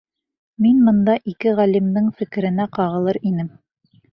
Мин бында ике ғалимдың фекеренә ҡағылыр инем.